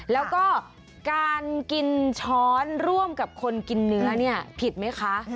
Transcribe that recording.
แล้วก็การกินช้อนร่วมกับคนกินเนื้อเนี่ยผิดไหมคะ